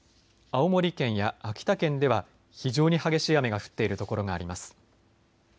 青森県や秋田県では非常に激しい雨が降っているところがあります。